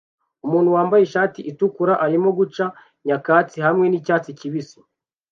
Umuntu wambaye ishati itukura arimo guca nyakatsi hamwe nicyatsi kibisi